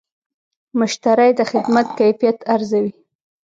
مشتری د خدمت کیفیت ارزوي.